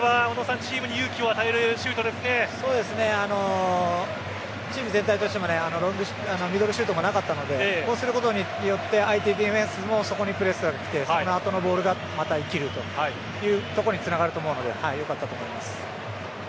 チーム全体としてもミドルシュートもなかったのでこうすることによって相手ディフェンスもそこにプレスが来てその後のボールがまた生きるというところにつながると思うのでよかったと思います。